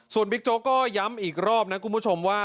ส่วนบิ๊กโจ๊กก็ย้ำอีกรอบนะคุณผู้ชมว่า